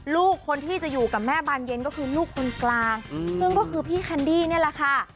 ลูกคนที่จะอยู่กับแม่บานเย็นก็คือลูกคนกลางซึ่งก็คือพี่แคนดี้นี่แหละค่ะ